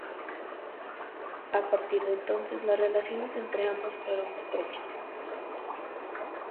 A partir de entonces, las relaciones entre ambos fueron estrechas.